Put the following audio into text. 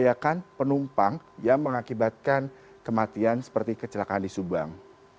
diakan penumpang yang mengakibatkan kematian seperti kecelakaan di subang